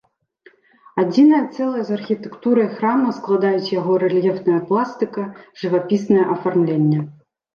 Адзінае цэлае з архітэктурай храма складаюць яго рэльефная пластыка, жывапіснае афармленне.